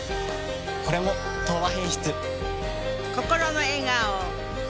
これも「東和品質」。